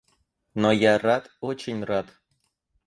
Но я рад, очень рад.